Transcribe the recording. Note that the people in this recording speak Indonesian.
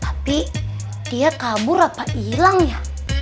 tapi dia kabur apa hilangnya